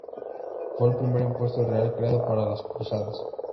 Fue el primer impuesto real creado para las Cruzadas.